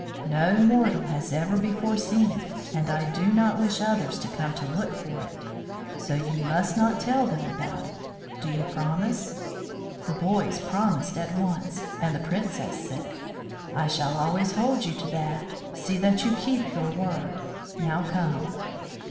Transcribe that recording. No mortal has ever before seen it, and I do not wish others to come to look for it; so you must not tell them about it. Do you promise?" The boys promised at once, and the Princess said: "I shall always hold you to that. See that you keep your word. Now come."